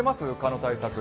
蚊の対策。